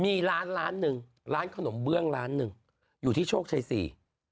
มีร้านร้านหนึ่งร้านขนมเบื้องร้านหนึ่งอยู่ที่โชคชัยสี่